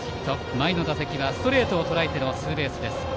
前の打席が、ストレートをとらえてのツーベースです。